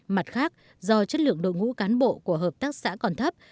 mặt khác do chất lượng đội ngũ cán bộ của hợp tác xã còn thấp